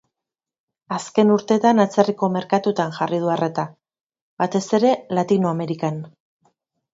Azken urteetan atzerriko merkatuetan jarri du arreta, batez ere Latinoamerikan.